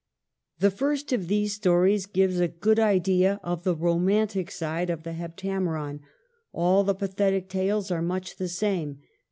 The first of these stories gives a good idea of the romantic side of the " Heptameron ;" all the pathetic tales are much the same.